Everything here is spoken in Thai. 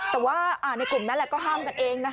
แต่ว่าในกลุ่มนั้นก็ช่วยกันเอง